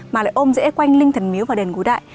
mà lại ôm dễ quanh linh thần miếu và đèn gối đại